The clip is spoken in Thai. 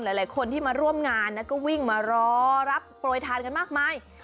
หลายคนที่มาร่วมงานนะก็วิ่งมารอรับโปรยทานกันมากมาย